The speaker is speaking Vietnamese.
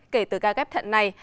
kể từ ca ghép thận này